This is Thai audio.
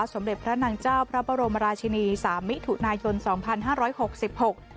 สมเด็จพระนางเจ้าพระบรมราชินีสามมิถุนายนสองพันห้าร้อยหกสิบหก